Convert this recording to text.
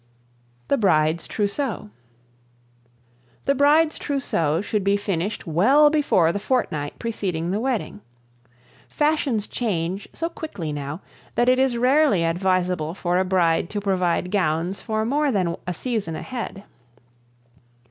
The Bride's Trousseau. The bride's trousseau should be finished well before the fortnight preceding the wedding. Fashions change so quickly now that it is rarely advisable for a bride to provide gowns for more than a season ahead.